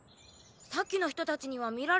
さっきの人達には見られてないよね？